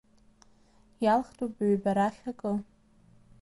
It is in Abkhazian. Иалхтәуп ҩба рахьтә акы.